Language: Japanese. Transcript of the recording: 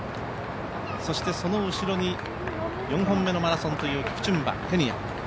そしてその後ろに４本目のマラソンというキプチュンバ、ケニア。